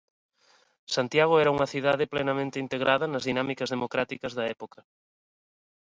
Santiago era unha cidade plenamente integrada nas dinámicas democráticas da época.